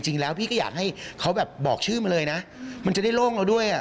จริงแล้วพี่ก็อยากให้เขาแบบบอกชื่อมาเลยนะมันจะได้โล่งเราด้วยอ่ะ